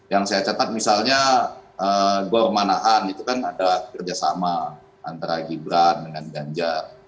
yang saya catat misalnya gor manahan itu kan ada kerjasama antara gibran dengan ganjar